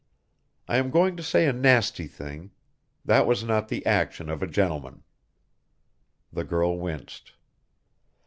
I am going to say a nasty thing; that was not the action of a gentleman." The girl winced.